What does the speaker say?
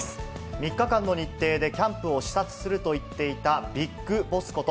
３日間の日程でキャンプを視察すると言っていたビッグボスこと